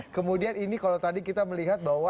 kemudian ini kalau tadi kita melihat bahwa